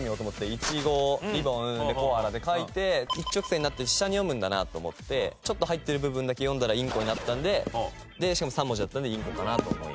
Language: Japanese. いちごりぼんこあらで書いて一直線になって下に読むんだなと思ってちょっと入ってる部分だけ読んだらいんこになったのでしかも３文字だったのでいんこかなと思い。